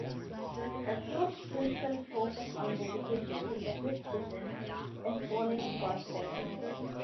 The group's principal focus was dedication to the 'Christ Within' and following God's guidance.